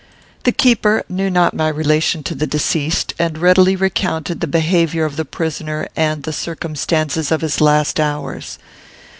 The keeper knew not my relation to the deceased, and readily recounted the behaviour of the prisoner and the circumstances of his last hours.